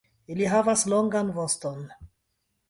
Ili havas longan voston.